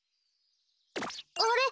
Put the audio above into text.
あれ？